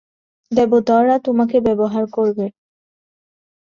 দেবতারা তোমাকে ব্যবহার করবে।